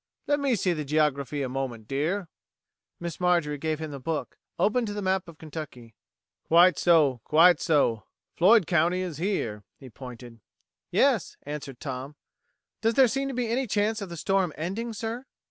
Let me see the geography a moment, dear." Miss Marjorie gave him the book, opened to the map of Kentucky. "Quite so quite so. Floyd County is here." He pointed. "Yes," answered Tom. "Does there seem to be any chance of the storm ending, sir?"